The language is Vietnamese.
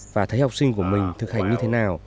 và thấy học sinh của mình thực hành như thế nào